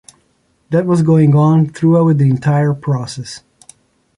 That was going on throughout the entire process.